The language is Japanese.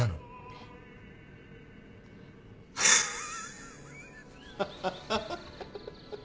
えっ？ハハハハハハ！